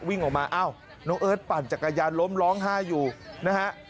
วิ่งออกมาอ้าวน้องเอิร์ทปั่นจักรยานล้มร้องไห้อยู่นะฮะ